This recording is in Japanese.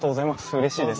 うれしいです。